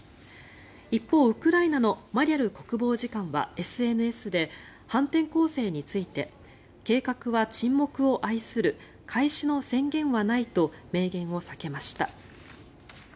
一方、ウクライナのマリャル国防次官はＳＮＳで反転攻勢について計画は沈黙を愛する開始の宣言はないと明言を避けました。